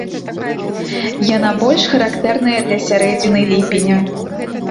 Яна больш характэрная для сярэдзіны ліпеня.